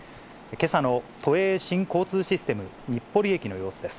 けさの都営新交通システム日暮里駅の様子です。